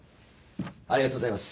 ありがとうございます。